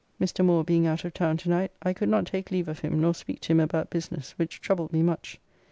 Mr. Moore being out of town to night I could not take leave of him nor speak to him about business which troubled me much.